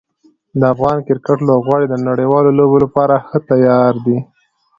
د افغان کرکټ لوبغاړي د نړیوالو لوبو لپاره ښه تیار دي.